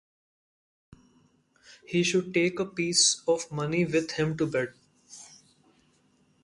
He should take a piece of money with him to bed.